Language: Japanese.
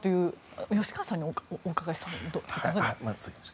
吉川さんにお伺いしたほうがいいですか。